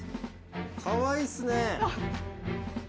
かわいいっすね。